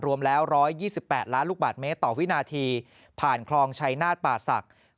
รวมแล้ว๑๒๘ล้านลูกบาทเมตรต่อวินาทีผ่านคลองชัยนาฏป่าศักดิ์